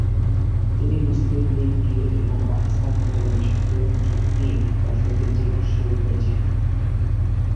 তিনি Muslim League দিয়ে এবং পাকিস্তান আন্দোলনে সক্রিয় অংশ নিয়ে রাজনৈতিক জীবন শুরু করেছিলেন।